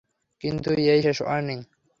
কিন্তু এই শেষ ওয়ার্নিং।